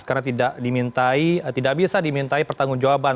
karena tidak bisa dimintai pertanggung jawaban